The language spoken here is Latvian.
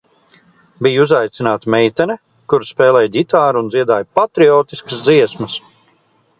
Bija uzaicināta meitene, kura spēlēja ģitāru un dziedāja patriotiskas dziesmas.